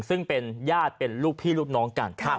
ซึ่งเป็นญาติเป็นลูกพี่ลูกน้องกัน